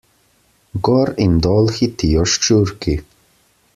Gor in dol hitijo ščurki.